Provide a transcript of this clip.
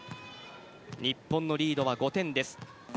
日本のリードが５点です。